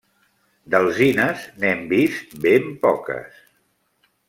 D'alzines n'hem vist ben poques.